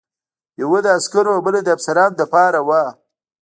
یوه د عسکرو او بله د افسرانو لپاره وه.